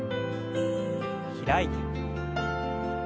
開いて。